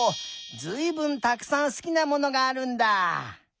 ずいぶんたくさんすきなものがあるんだ！